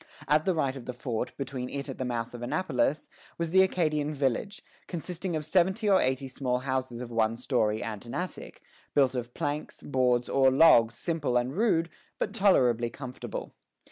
At the right of the fort, between it and the mouth of the Annapolis, was the Acadian village, consisting of seventy or eighty small houses of one story and an attic, built of planks, boards, or logs, simple and rude, but tolerably comfortable.